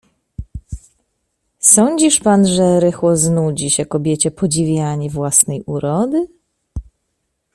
Sądzisz pan, że rychło znudzi się kobiecie podziwianie własnej urody?